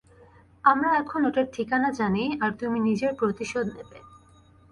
আমরা এখন ওটার ঠিকানা জানি, আর তুমি নিজের প্রতিশোধ নেবে।